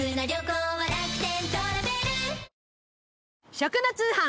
食の通販。